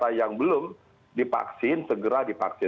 ada yang belum divaksin segera divaksin